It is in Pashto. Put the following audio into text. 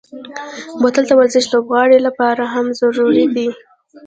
بوتل د ورزشي لوبغاړو لپاره هم ضروري دی.